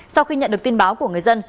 sau khi nhận được tin báo của người dân